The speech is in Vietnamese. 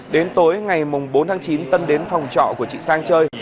đến tối ngày bốn tháng chín tân đến phòng trọ của chị sang chơi